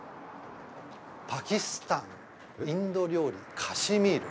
「パキスタンインド料理カシミール」。